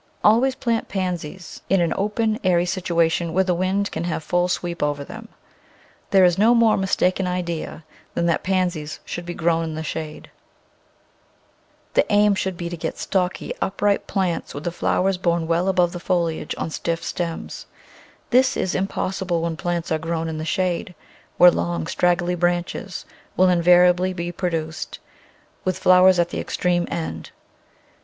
Always plant Pansies in Digitized by Google Digitized by Google Digitized by Google Ten] annual* front &ee& »s an open, airy situation, where the wind can have full sweep over them. There is no more mistaken idea than that Pansies should be grown in the shade. The aim should be to get stocky, upright plants with the flowers borne well above the foliage on stiff stems. This is impossible when plants are grown in the shade, where long, straggly branches will invariably be pro duced, with flowers at the extreme end.